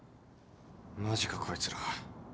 マジかこいつら。